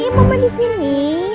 ya mama di sini